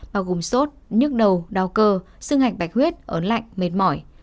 bao gồm sốt nhức đầu đau cơ xương hạnh bạch huyết ớn lạnh mệt mỏi